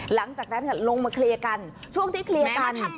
หลังจากนั้นลงมาเคลียร์กันช่วงที่เคลียร์กัน